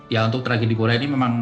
ya untuk tragedi korea ini memang